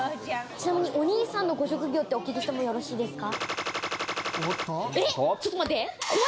お兄さんのご職業ってお聞きしてもよろしいですか？